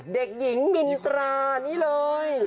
เด็กหญิงมินตรานี่เลย